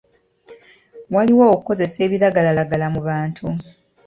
Waliwo okukozesa ebiragalalagala mu bantu.